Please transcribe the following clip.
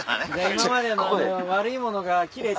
今までの悪いものが切れて。